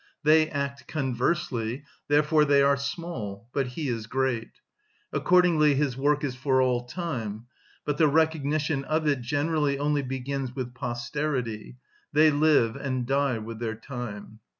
They act conversely; therefore they are small, but he is great. Accordingly his work is for all time, but the recognition of it generally only begins with posterity: they live and die with their time.